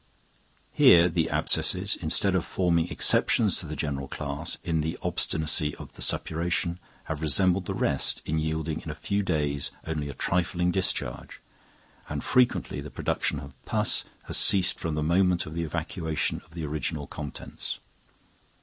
Here the abscesses, instead of forming exceptions to the general class in the obstinacy of the suppuration, have resembled the rest in yielding in a few days only a trifling discharge, and frequently the production of pus has ceased from the moment of the evacuation of the original contents.